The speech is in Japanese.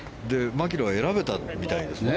マキロイは選べたみたいですね